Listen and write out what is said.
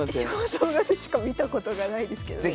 肖像画でしか見たことがないですけどね。